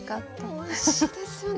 おいしいですよね。